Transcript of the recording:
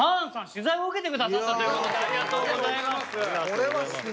取材を受けて下さったということでありがとうございます。